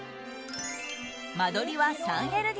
間取りは３ＬＤＫ。